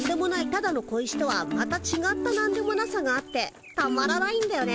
ただの小石とはまたちがったなんでもなさがあってたまらないんだよね。